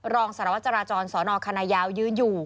รองสารวัตรจราจรสนคันนายาวยืนอยู่